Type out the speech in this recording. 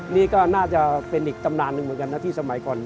นี่ก็น่าจะเป็นอีกตำนานหนึ่งเหมือนกันนะที่สมัยก่อน